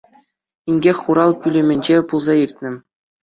Инкек хурал пӳлӗмӗнче пулса иртнӗ.